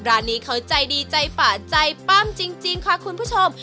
ร้านนี้เขาใจดีใจป่าใจปั้มจริงค่ะคุณผู้ชม